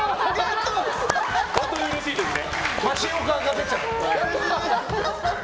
本当にうれしい時ね。